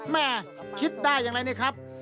แม่คิดได้อย่างไรนี่ครับ